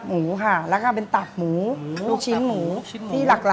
หมูค่ะแล้วก็เป็นตับหมูลูกชิ้นหมูที่หลัก